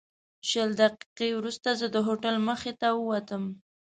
شل دقیقې وروسته زه د هوټل مخې ته ووتم.